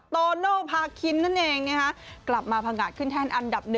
โตโน่พาคินนั่นเองกลับมาพังงาดขึ้นแท่นอันดับ๑